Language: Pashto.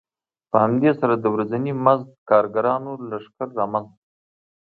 په همدې سره د ورځني مزد کارګرانو لښکر رامنځته شو